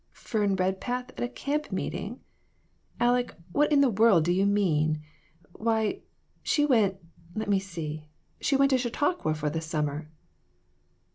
"Fern Redpath at a camp meeting! Aleck, what in the world do you mean ? Why, she went let me see she went to Chautauqua for the summer."